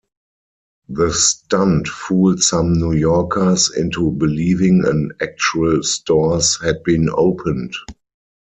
The stunt fooled some New Yorkers into believing an actual stores had been opened.